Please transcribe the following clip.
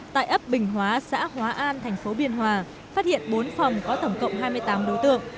tại ấp bình hóa xã hóa an thành phố biên hòa phát hiện bốn phòng có tổng cộng hai mươi tám đối tượng